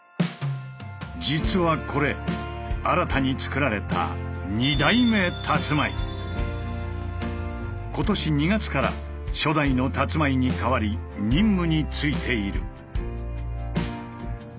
実はこれ新たに造られた今年２月から初代のたつまいに代わり任務に就いている。